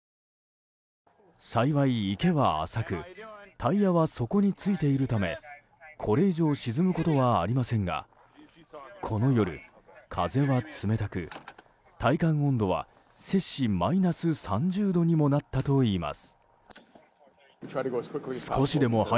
幸い、池は浅くタイヤは底についているためこれ以上沈むことはありませんがこの夜、風は冷たく体感温度は摂氏マイナス３０度にもなったといいます。